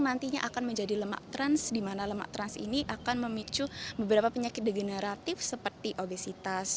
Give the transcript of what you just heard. nantinya akan menjadi lemak trans di mana lemak trans ini akan memicu beberapa penyakit degeneratif seperti obesitas